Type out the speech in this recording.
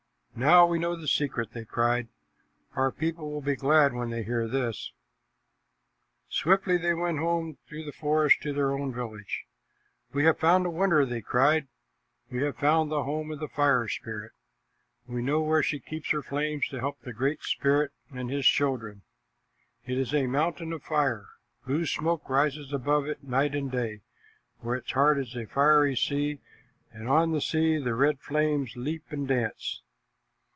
"Now we know the secret," they cried. "Our people will be glad when they hear this." Swiftly they went home through the forest to their own village. "We have found a wonder," they cried. "We have found the home of the Fire Spirit. We know where she keeps her flames to help the Great Spirit and his children. It is a mountain of fire. Blue smoke rises above it night and day, for its heart is a fiery sea, and on the sea the red flames leap and dance.